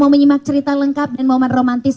mau menyimak cerita lengkap dan momen romantis